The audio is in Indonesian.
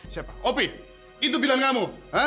siapa oke itu pilihan kamu